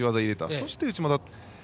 そして内股。